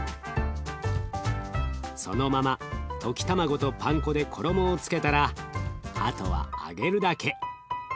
そのまま溶き卵とパン粉で衣をつけたらあとは揚げるだけ。